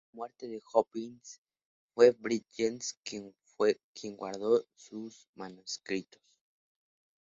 Tras la muerte de Hopkins, fue Bridges quien guardó sus manuscritos.